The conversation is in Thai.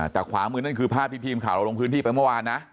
แต่ขวามือนั่นคือพราทพี่พิวข่าวรังพื้นที่ไปมาวานนะ